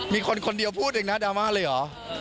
มีคนคนเดียวพูดเองนะดราม่าเลยเหรอ